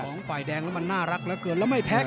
ของฝ่ายแดงแล้วมันน่ารักเกือบ